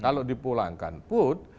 kalau dipulangkan pun